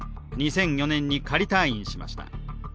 ２００４年に仮退院しました。